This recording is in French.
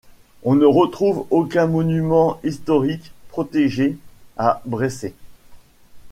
On ne trouve aucun monument historique protégé à Brécé.